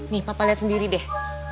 nih papa lihat sendiri deh